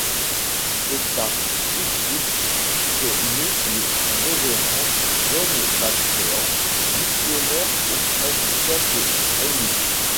C'est à Uckfield qu'est né le Révérend John Batchelor missionnaire auprès du peuple Aïnou.